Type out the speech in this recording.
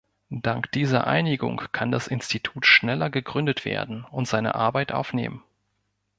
Dank dieser Einigung kann das Institut schneller gegründet werden und seine Arbeit aufnehmen.